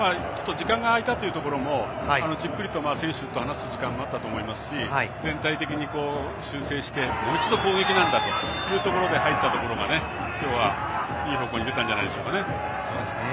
時間が空いたっていうところも選手と話す時間もあったと思いますし全体的に修正してもう一度攻撃なんだというところで入ったところが今日は、いい方向に出たんじゃないでしょうかね。